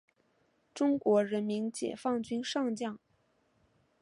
中国人民解放军上将。